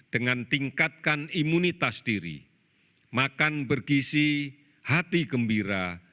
dengan tingkatkan imunitas diri makan bergisi hati gembira